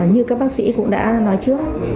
như các bác sĩ cũng đã nói trước